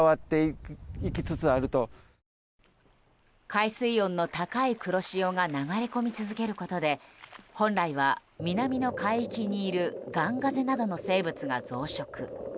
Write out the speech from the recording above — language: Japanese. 海水温の高い黒潮が流れ込み続けることで本来は南の海域にいるガンガゼなどの生物が増殖。